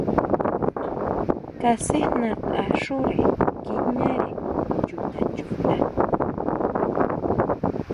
Kasʼejnatʼaxúre nguijñare chuta chuʼnda.